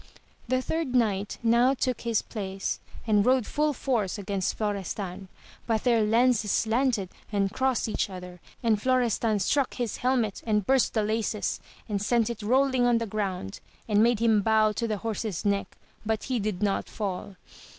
The third knight now took his place, and rode full force against Florestan, but their lances slanted and crossed each other, and Florestan struck his helmet and burst the laces and sent it rolling on the ground, and made him bow to the horses neck, but he did not fall.